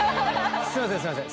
すいませんすいません。